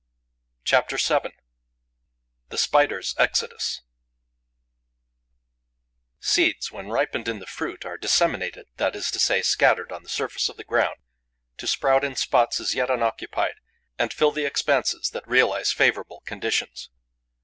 CHAPTER VII: THE SPIDERS' EXODUS Seeds, when ripened in the fruit, are disseminated, that is to say, scattered on the surface of the ground, to sprout in spots as yet unoccupied and fill the expanses that realize favourable conditions.